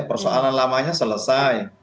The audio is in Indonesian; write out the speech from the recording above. persoalan lamanya selesai